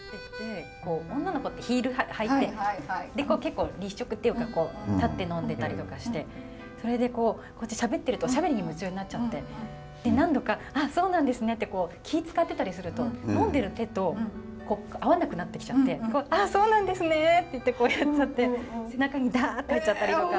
女の子ってヒール履いてそれで結構立食っていうか立って飲んでたりとかしてそれでこうしゃべってるとおしゃべりに夢中になっちゃって何度か「そうなんですね」って気ぃ遣ってたりすると飲んでる手と合わなくなってきちゃって「ああそうなんですね」っていってこうやっちゃって背中にダッて入っちゃったりとか。